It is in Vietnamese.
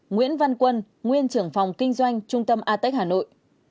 ba nguyễn văn quân nguyên trưởng phòng kinh doanh trung tâm ethics hà nội